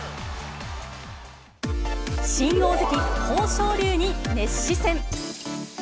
新大関・豊昇龍に熱視線。